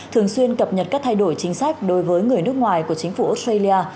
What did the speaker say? thường xuyên cập nhật các thay đổi chính sách đối với người nước ngoài của chính phủ australia